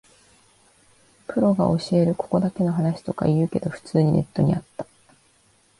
プロが教えるここだけの話とか言うけど、普通にネットにあった